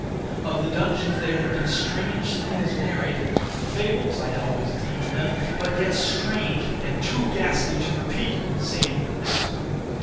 Of the dungeons there had been strange things narrated—fables I had always deemed them—but yet strange, and too ghastly to repeat, save in a whisper.